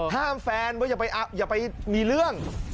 ห้ามแฟนเว้ยอย่าไปมีเรื่อง